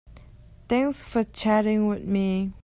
Thanks for chatting with me.